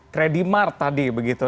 credit mark tadi begitu